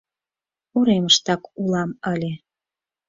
Уремыштак улам ыле.